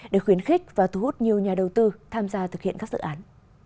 để khuyến khích và thu hút nhiều nhà đầu tư tham gia thực hiện các dự án